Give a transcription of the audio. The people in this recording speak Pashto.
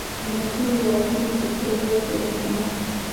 د مشهورو لغتونو ایستل لویه تېروتنه ده.